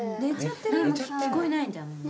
何も聞こえないんだもんね。